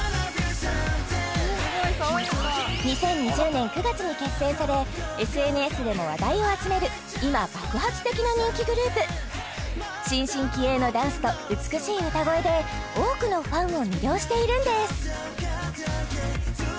２０２０年９月に結成されＳＮＳでも話題を集める今爆発的な人気グループ新進気鋭のダンスと美しい歌声で多くのファンを魅了しているんです